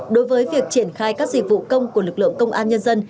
đối với việc triển khai các dịch vụ công của lực lượng công an nhân dân